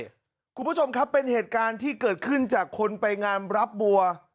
คุณผู้ชมครับเป็นเหตุการณ์ที่เกิดขึ้นจากคนไปงานรับบัว